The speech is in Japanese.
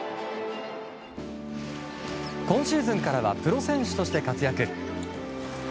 今シーズンからはプロ選手として活躍。